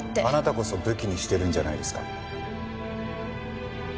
あなたこそ武器にしてるんじゃないですか？